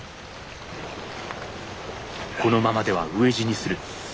このままでは飢え死にする。